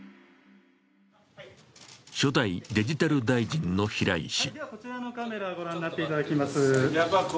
初代デジタル大臣の平井氏。